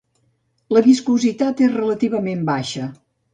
La viscositat és relativament baixa.